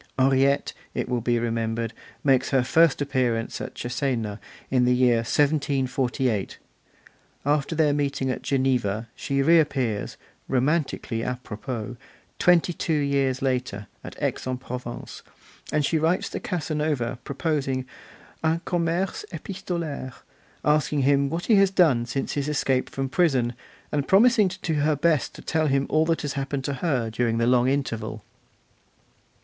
Henriette, it will be remembered, makes her first appearance at Cesena, in the year 1748; after their meeting at Geneva, she reappears, romantically 'a propos', twenty two years later, at Aix in Provence; and she writes to Casanova proposing 'un commerce epistolaire', asking him what he has done since his escape from prison, and promising to do her best to tell him all that has happened to her during the long interval.